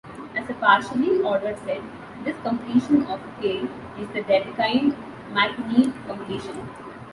As a partially ordered set, this completion of "A" is the Dedekind-MacNeille completion.